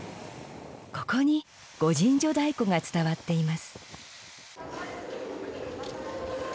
ここに御陣乗太鼓が伝わっています。